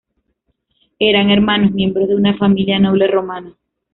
Eran hermanos, miembros de una familia noble romana.